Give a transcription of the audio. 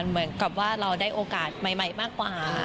เหมือนกับว่าเราได้โอกาสใหม่มากกว่า